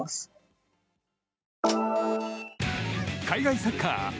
海外サッカー。